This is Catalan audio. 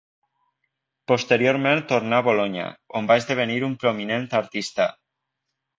Posteriorment tornà a Bolonya, on va esdevenir un prominent artista.